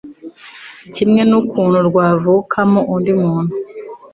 kimwe n’ukuntu rwavukamo undi muntu